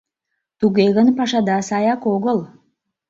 Туге гын, пашада саяк огыл.